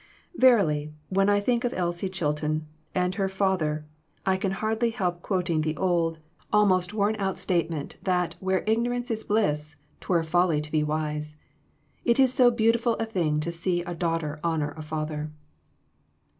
Verily, when I think of Elsie Chilton and her father, I can hardly help quoting the old, almost EMBARRASSING QUESTIONS. 317 worn out statement, that "where ignorance is bliss, 'twere folly to be wise." It is so beautiful a thing to see a daughter honor a father.